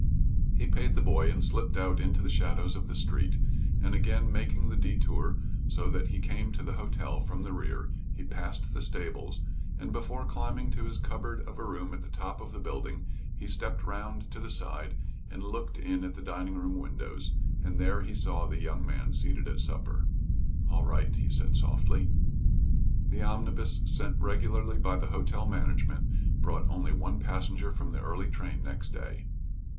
He paid the boy and slipped out into the shadows of the street, and again making the detour so that he came to the hotel from the rear, he passed the stables, and before climbing to his cupboard of a room at the top of the building, he stepped round to the side and looked in at the dining room windows, and there he saw the young man seated at supper. "All right," he said softly. The omnibus sent regularly by the hotel management brought only one passenger from the early train next day.